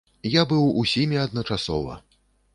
Я быў усімі адначасова.